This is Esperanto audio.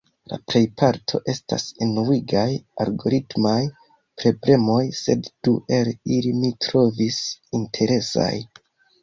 La plejparto estas enuigaj algoritmaj prblemoj, sed du el ili mi trovis interesaj: